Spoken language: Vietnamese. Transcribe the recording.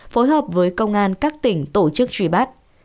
phối hợp với công an các tỉnh tổ chức truy bắt